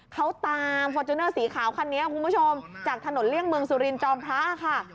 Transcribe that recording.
เขาตามฟอร์จูเนอร์สีขาวคันนี้คุณผู้ชมจากถนนเลี่ยงเมืองสุรินจอมพระค่ะ